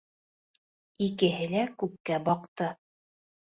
Икеһе лә күккә баҡты.